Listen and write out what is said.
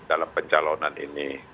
dalam pencalonan ini